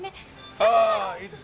ああああいいです。